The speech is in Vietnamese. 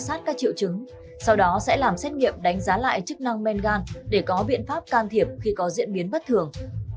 sau đó sẽ làm xét nghiệm đánh giá lại chức năng men gan để có biện pháp can thiệp khi có diễn biến bất thường